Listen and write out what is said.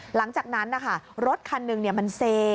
หลังจากนั้นนะคะรถคันหนึ่งมันเซ